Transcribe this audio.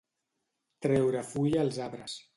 Treure fulla els arbres.